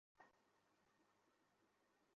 সাহস থাকলে সামনে আয়।